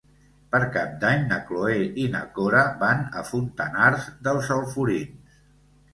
Per Cap d'Any na Cloè i na Cora van a Fontanars dels Alforins.